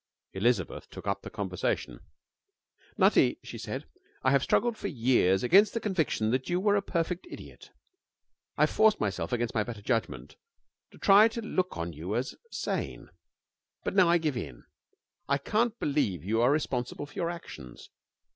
Elizabeth took up the conversation. 'Nutty,' she said, 'I've struggled for years against the conviction that you were a perfect idiot. I've forced myself, against my better judgement, to try to look on you as sane, but now I give in. I can't believe you are responsible for your actions.